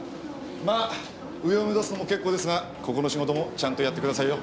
まあ上を目指すのも結構ですがここの仕事もちゃんとやってくださいよ。